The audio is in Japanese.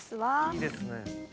いいですね。